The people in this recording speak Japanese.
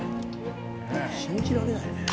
信じられないね。